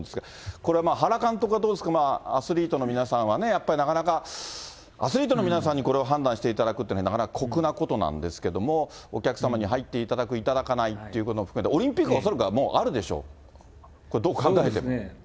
これは原監督はどうですか、アスリートの皆さんは、やっぱりなかなか、アスリートの皆さんに、これを判断していただくというのは、なかなか酷なことなんですけども、お客様に入っていただく、いただかないということも含めて、オリンピックは恐らくこれはあるでしょう、どう考えても。